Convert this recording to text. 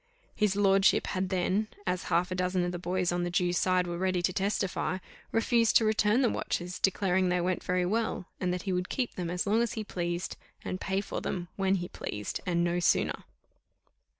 His lordship had then, as half a dozen of the boys on the Jew's side were ready to testify, refused to return the watches, declaring they went very well, and that he would keep them as long as he pleased, and pay for them when he pleased, and no sooner.